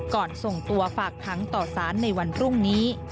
ส่งตัวฝากค้างต่อสารในวันพรุ่งนี้